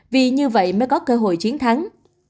vì như vậy mới có cơ hội chiến thắng